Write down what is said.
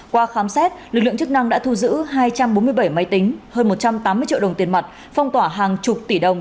qua khám xét lực lượng chức năng đã thu giữ hai trăm bốn mươi bảy máy tính hơn một trăm tám mươi triệu đồng tiền mặt phong tỏa hàng chục tỷ đồng